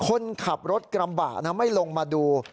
คนขับรถกระบะน้ำให้ลงมาดู